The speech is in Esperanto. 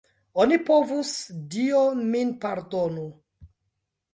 Oni povus, Dio min pardonu!